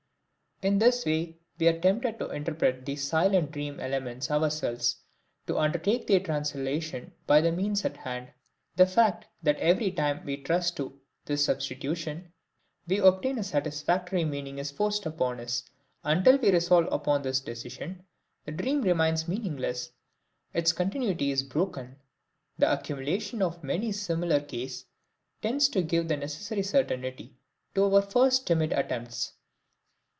In this way we are tempted to interpret these silent dream elements ourselves, to undertake their translation by the means at hand. The fact that every time we trust to this substitution we obtain a satisfactory meaning is forced upon us; until we resolve upon this decision the dream remains meaningless, its continuity is broken. The accumulation of many similar cases tends to give the necessary certainty to our first timid attempts.